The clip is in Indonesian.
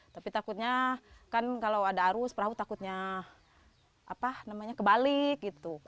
tapi takutnya kan kalau ada arus perahu takutnya kebalik gitu